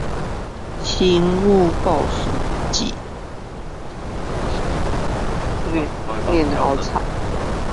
成語故事集